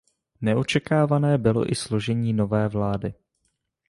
Neočekávané bylo i složení nové vlády.